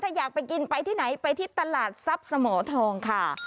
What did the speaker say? ถ้าอยากไปกินไปที่ไหนไปที่ตลาดทรัพย์สมทองค่ะ